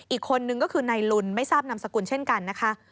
อีกคนนึงก็คือนายลุนไม่ทราบนามสกุลเช่นกันนะคะ